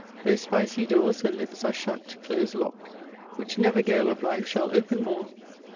Those spicy doors, her lips, are shut, close lock'd, Which never gale of life shall open more!